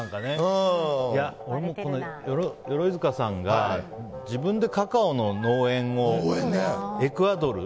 俺も鎧塚さんが自分でカカオの農園をエクアドルに。